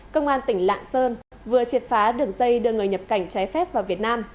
công an tỉnh lạng sơn vừa triệt phá đường dây đưa người nhập cảnh trái phép vào việt nam